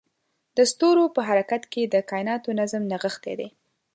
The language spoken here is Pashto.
د ستورو په حرکت کې د کایناتو نظم نغښتی دی.